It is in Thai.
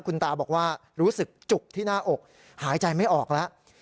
คุณตาบอกว่ารู้สึกจุกที่หน้าอกหายใจไม่ออกแล้ว